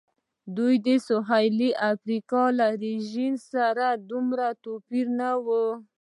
دوی د سوېلي افریقا له رژیم سره دومره توپیر نه و.